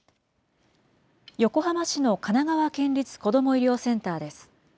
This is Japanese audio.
横浜市の神奈川県立こども医療センターです。